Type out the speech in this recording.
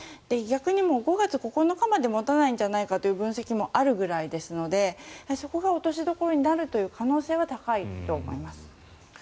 逆に５月９日まで持たないんじゃないかという分析もあるぐらいですのでそこが落としどころになる可能性は高いと思います。